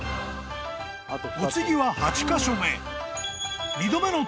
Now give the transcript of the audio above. ［お次は８カ所目］